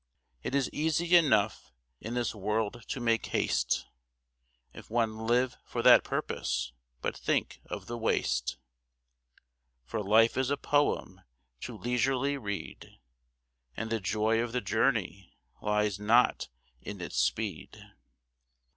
It is easy enough in this world to make haste If one live for that purpose—but think of the waste; For life is a poem to leisurely read, And the joy of the journey lies not in its speed.